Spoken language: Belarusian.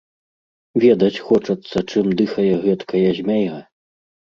Ведаць хочацца, чым дыхае гэткая змяя.